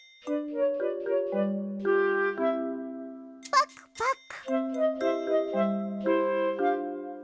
パクパク！